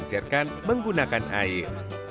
dan mencerkan menggunakan air